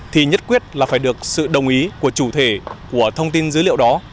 thì nhất quyết là phải được sự đồng ý của chủ thể của thông tin dữ liệu đó